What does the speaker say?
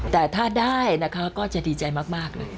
แต่ถ้าได้นะคะก็จะดีใจมากเลย